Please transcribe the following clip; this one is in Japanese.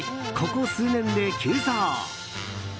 ここ数年で急増。